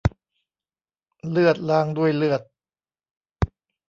เลือดล้างด้วยเลือด